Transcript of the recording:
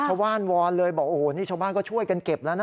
ชาวบ้านวอนเลยบอกโอ้โหนี่ชาวบ้านก็ช่วยกันเก็บแล้วนะ